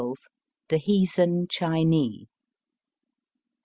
THE HEATHEN CHINEE.